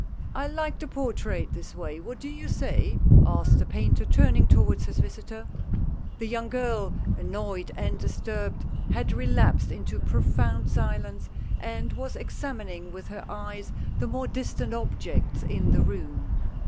" I like the portrait this way, what do you say ?" asked the painter, turning towards his visitor. The young girl, annoyed and disturbed, had relapsed into profound silence, and was examining with her eyes the more distant objects in the room.